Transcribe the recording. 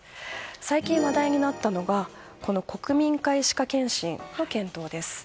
最近、話題になったのが国民皆歯科健診の検討です。